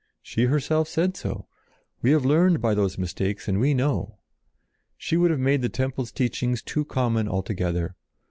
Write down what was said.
She herself said so. We have learned by those mistakes and we know. She would have made the temple teachings too common altogether.